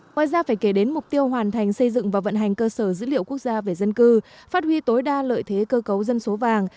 ngoài ra phải kể đến mục tiêu hoàn thành xây dựng và vận hành cơ sở dữ liệu quốc gia về dân cư phát huy tối đa lợi thế cơ cấu dân số vàng